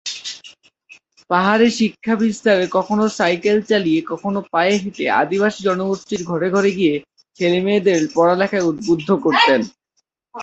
পাহাড়ে শিক্ষা বিস্তারে কখনো সাইকেল চালিয়ে কখনো পায়ে হেঁটে আদিবাসী জনগোষ্ঠীর ঘরে ঘরে গিয়ে ছেলেমেয়েদের পড়ালেখায় উদ্বুদ্ধ করতেন।